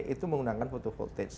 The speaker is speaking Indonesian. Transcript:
itu menggunakan photo voltage